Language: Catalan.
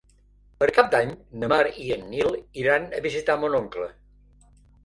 Per Cap d'Any na Mar i en Nil iran a visitar mon oncle.